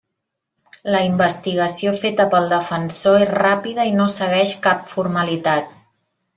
La investigació feta pel defensor és ràpida i no segueix cap formalitat.